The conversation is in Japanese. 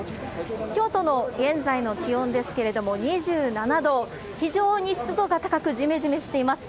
京都の現在の気温ですけれども、２７度、非常に湿度が高く、じめじめしています。